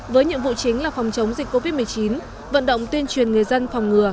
với nhiệm vụ chính là phòng chống dịch covid một mươi chín vận động tuyên truyền người dân phòng ngừa